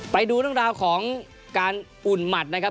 ไปดูเรื่องราวของการอุ่นหมัดนะครับ